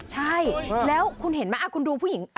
ใช่แล้วคุณเห็นไหมคุณดูผู้หญิง